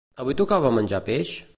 Avui tocava menjar peix?